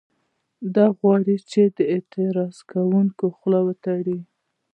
دوی غواړي چې د اعتراض کوونکو خولې وتړي